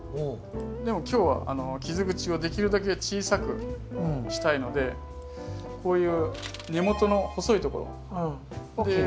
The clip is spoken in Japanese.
でも今日は傷口をできるだけ小さくしたいのでこういう根元の細いところ。を切る？